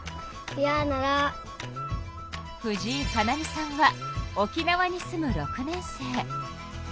藤井可菜美さんは沖縄に住む６年生。